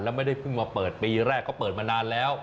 แล้วไม่ได้เพิ่งมาเปิดปีแรกเขาเปิดมานานแล้ว